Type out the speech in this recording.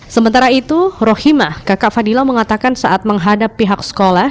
sementara itu rohimah kakak fadila mengatakan saat menghadap pihak sekolah